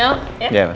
terima kasih pak